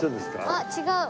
あっ違う。